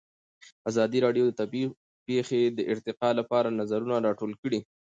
ازادي راډیو د طبیعي پېښې د ارتقا لپاره نظرونه راټول کړي.